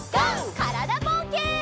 からだぼうけん。